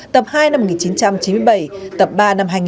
tập hai năm một nghìn chín trăm chín mươi bảy tập ba năm hai nghìn một mươi